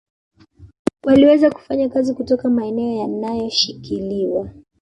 Waliweza kufanya kazi kutoka maeneo yanayoshikiliwa